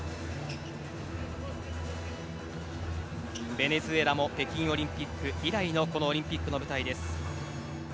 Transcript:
ベネズエラも北京オリンピック以来のオリンピックの大会です。